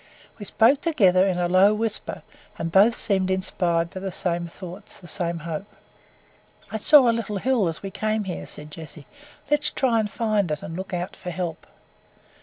We spoke together in a low whisper, and both seemed inspired by the same thoughts, the same hope. "I saw a little hill as we came here," said Jessie; "let's try and find it and look out for help."